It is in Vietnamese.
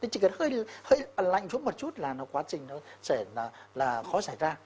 chỉ cần hơi lạnh chút một chút là quá trình nó sẽ là khó xảy ra